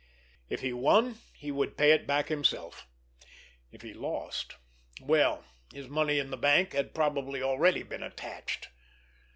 If he won, he would pay it back himself; if he lost—well, his money in the bank had probably already been attached!